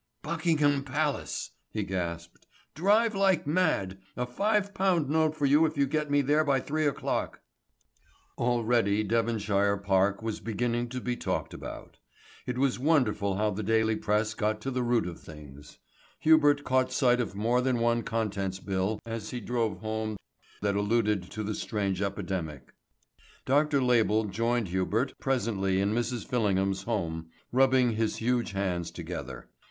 "Buckingham Palace," he gasped. "Drive like mad. A five pound note for you if you get me there by three o'clock!" Already Devonshire Park was beginning to be talked about. It was wonderful how the daily press got to the root of things. Hubert caught sight of more than one contents bill as he drove home that alluded to the strange epidemic. Dr. Label joined Hubert presently in Mrs. Fillingham's home, rubbing his huge hands together.